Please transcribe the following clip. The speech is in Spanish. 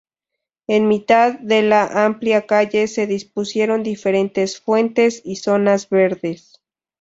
En mitad de la amplia calle se dispusieron diferentes fuentes y zonas verdes.